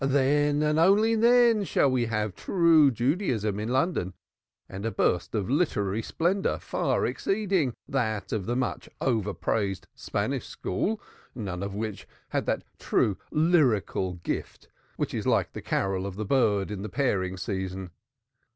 Then and only then shall we have true Judaism in London and a burst of literary splendor far exceeding that of the much overpraised Spanish School, none of whom had that true lyrical gift which is like the carol of the bird in the pairing season.